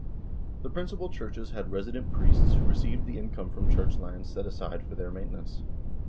The principal churches had resident priests who received the income from church lands set aside for their mainte nance.